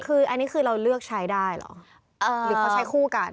คืออันนี้คือเราเลือกใช้ได้เหรอหรือเขาใช้คู่กัน